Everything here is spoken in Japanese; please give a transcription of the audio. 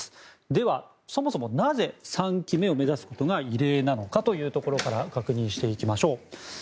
では、そもそもなぜ３期目を目指すことが異例なのかというところから確認していきましょう。